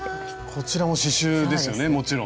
こちらも刺しゅうですよねもちろん。